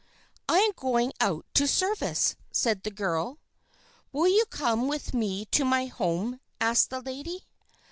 "I am going out to service," said the girl. "Will you come with me to my home?" asked the lady.